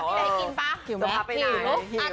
กินปะหิวมั้ยทันท้าไปไหนหิว